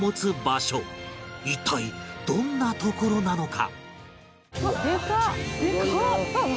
一体どんなところなのか？